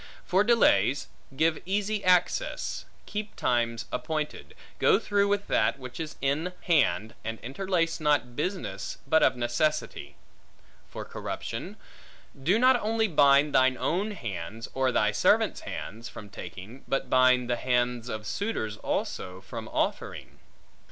For delays: give easy access; keep times appointed; go through with that which is in hand, and interlace not business, but of necessity. For corruption: do not only bind thine own hands, or thy servants' hands, from taking, but bind the hands of suitors also, from offering.